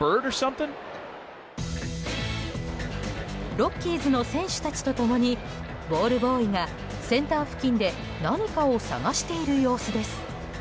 ロッキーズの選手たちと共にボールボーイがセンター付近で何かを探している様子です。